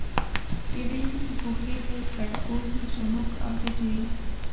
یوې ګوښې ته یې کړ، اوس نو زموږ او د دوی.